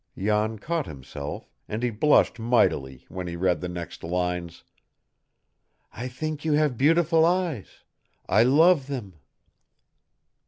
Jan caught himself, and he blushed mightily when he read the next lines: "'I think you have beautiful eyes. I love them.'"